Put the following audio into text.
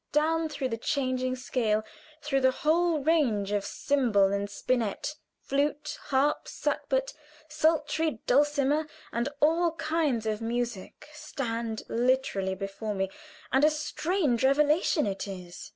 Down through the changing scale, through the whole range of cymbal and spinet, "flute, harp, sackbut, psaltery, dulcimer, and all kinds of music," stand literally before me, and a strange revelation it is.